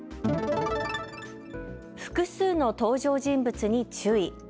複数の登場人物に注意。